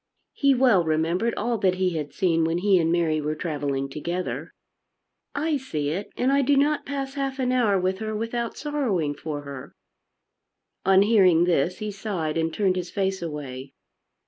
He well remembered all that he had seen when he and Mary were travelling together. "I see it; and I do not pass half an hour with her without sorrowing for her." On hearing this he sighed and turned his face away.